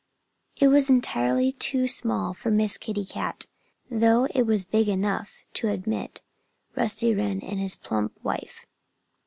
It was entirely too small for Miss Kitty Cat, though it was big enough to admit Rusty Wren and his plump wife.